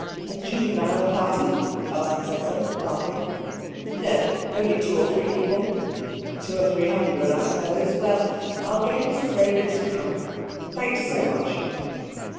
'A juvenile party?' asked Cecil, laughing. 'No, only two or three people.' 'Two or three hundred, I suppose. Well, I'll get Mrs Raymond to come. Thanks so much.'